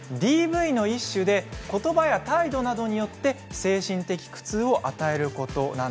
ＤＶの一種で言葉や態度などによって精神的苦痛を与えること